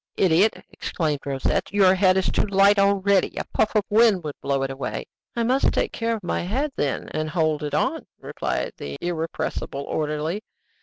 "Idiot!" exclaimed Rosette. "Your head is too light already; a puff of wind would blow it away." "I must take care of my head, then, and hold it on," replied the irrepressible orderly.